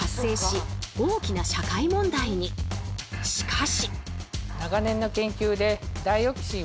しかし。